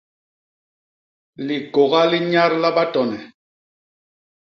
Likôga li nnyadla batone.